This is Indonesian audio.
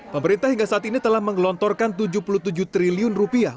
pemerintah hingga saat ini telah mengelontorkan tujuh puluh tujuh triliun rupiah